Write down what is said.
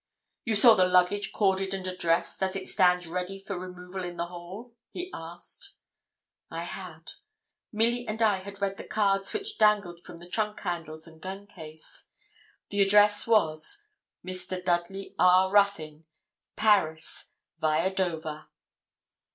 'You saw the luggage corded and addressed, as it stands ready for removal in the hall?' he asked. I had. Milly and I had read the cards which dangled from the trunk handles and gun case. The address was 'Mr. Dudley R. Ruthyn, Paris, viâ Dover.'